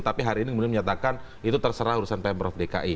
tapi hari ini menyatakan itu terserah urusan pm prof dki